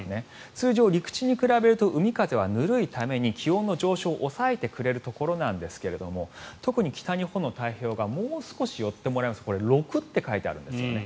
通常、陸地に比べると海風はぬるいために気温の上昇を抑えてくれるところなんですが特に北日本の太平洋側６と書いてあるんですね。